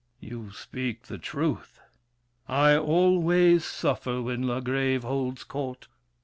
THE KING. You speak the truth. I always suffer when La Grève holds court.